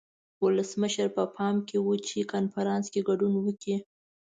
ولسمشر په پام کې و چې کنفرانس کې ګډون وکړي.